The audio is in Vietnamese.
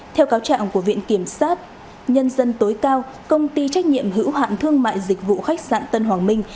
theo cáo trạng của viện kiểm sát nhân dân tối cao công ty trách nhiệm hữu hạn thương mại dịch vụ khách sạn tân hoàng minh